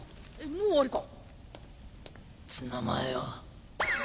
もう終わりか。